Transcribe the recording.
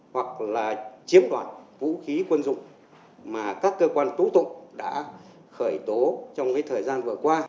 hoặc là chiếm đoạt vũ khí quân dụng mà các cơ quan tố tụng đã khởi tố trong cái thời gian vừa qua